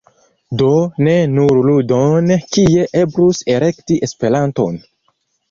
Do ne nur ludon, kie eblus “elekti" Esperanton.